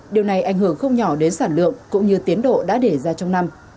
điều này ảnh hưởng không nhỏ đến sản lượng cũng như tiến độ đã để ra trong năm